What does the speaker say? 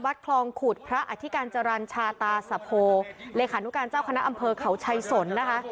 คลองขุดพระอธิการจรรย์ชาตาสะโพเลขานุการเจ้าคณะอำเภอเขาชัยสนนะคะ